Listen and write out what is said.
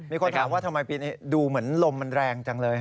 มีคนถามว่าทำไมปีนี้ดูเหมือนลมมันแรงจังเลย